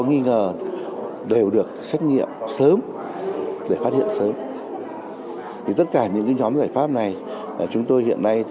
nghi ngờ đều được xét nghiệm sớm để phát hiện sớm thì tất cả những nhóm giải pháp này chúng tôi hiện nay